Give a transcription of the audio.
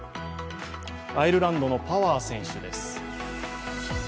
アイルランドのパワー選手です。